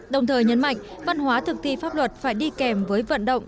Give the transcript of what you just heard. đồng thời nhấn mạnh văn hóa thực thi pháp luật phải đi kèm với vận động